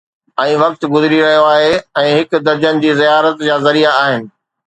۽ وقت گذري رهيو آهي ۽ هڪ درجن جي زيارت جا ذريعا آهن